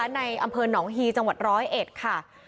ในอำเภอหนองฮีจังหวัดร้อยเอ็ดค่ะ